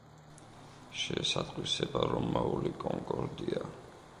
შეესატყვისება რომაული კონკორდია.